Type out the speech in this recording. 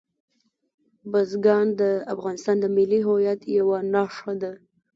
بزګان د افغانستان د ملي هویت یوه نښه ده.